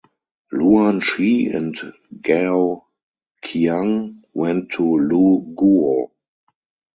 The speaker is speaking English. Luan Shi and Gao Qiang went to Lu Guo.